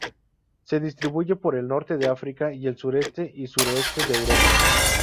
Se distribuye por el norte de África y el sureste y suroeste de Europa.